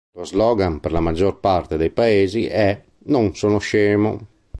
Lo slogan per la maggior parte dei paesi è "Non sono scemo!